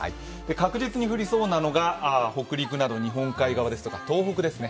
確実に降りそうなのが北陸など日本海側ですとか東北側ですね。